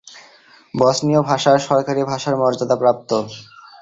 বসনীয় ভাষা সরকারী ভাষার মর্যাদাপ্রাপ্ত।